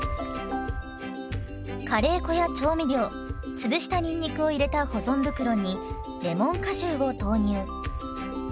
カレー粉や調味料潰したにんにくを入れた保存袋にレモン果汁を投入。